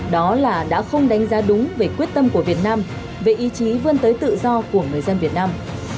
đó là đã không đánh giá đúng về quyết tâm của việt nam về ý chí vươn tới tự do của người dân việt nam